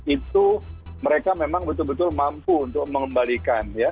itu mereka memang betul betul mampu untuk mengembalikan ya